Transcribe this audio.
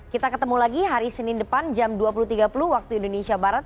kita ketemu lagi hari senin depan jam dua puluh tiga puluh waktu indonesia barat